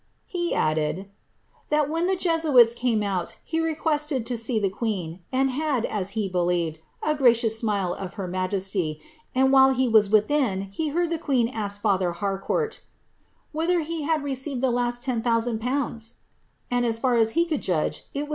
" He added, ^ that when the Jesuits came ouU he requested to see tiie queen, and had, as he believed, a gracious smile of her majesty; and while he was within, he heard the queen ask father Harcourt ^ whether he had received the last 10,000/.' and, as far as he could judge, it was tl'.